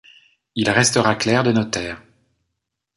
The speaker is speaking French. Il restera clerc de notaire.